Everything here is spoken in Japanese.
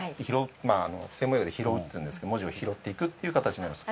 専門用語で拾うっていうんですけど文字を拾っていくっていう形になります。